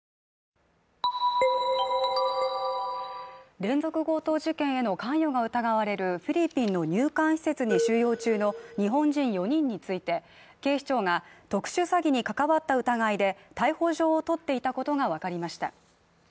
連続強盗事件への関与が疑われるフィリピンの入管施設に収容中の日本人４人について警視庁が特殊詐欺に関わった疑いで逮捕状を取っていたことが分かりました。